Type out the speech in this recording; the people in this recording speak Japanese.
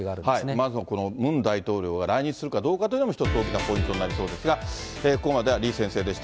まずはこのムン大統領が来日するかどうかというのも一つ大きなポイントになりそうですが、ここまでは李先生でした。